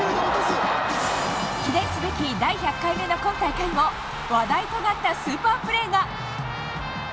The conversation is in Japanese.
記念すべき第１００回目の今大会も話題となったスーパープレーが。